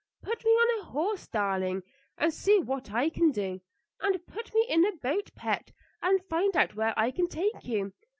Put me on a horse, darling, and see what I can do; and put me in a boat, pet, and find out where I can take you.